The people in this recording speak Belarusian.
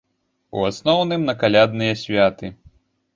У асноўным на калядныя святы.